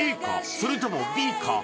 それともＢか？